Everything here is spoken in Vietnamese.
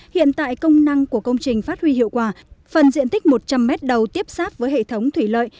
hiện tại công năng của công trình phát huy hiệu quả phần diện tích một trăm linh m đầu tiếp xác với hệ thống thủy lợi